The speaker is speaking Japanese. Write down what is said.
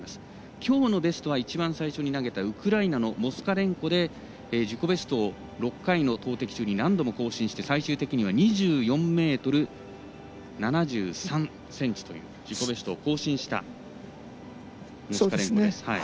きょうのベストは一番最初に投げたウクライナのモスカレンコで自己ベストを６回の投てき中に何度も更新して何度も更新して最終的には２４ｍ７３ｃｍという自己ベストを更新したモスカレンコです。